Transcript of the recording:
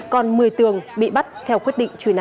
còn một mươi tường bị bắt theo quyết định truy nã